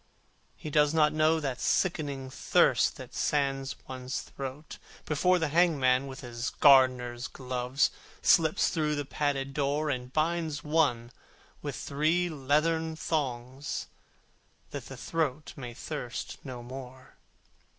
He does not feel that sickening thirst That sands one's throat, before The hangman with his gardener's gloves Comes through the padded door, And binds one with three leathern thongs, That the throat may thirst no more.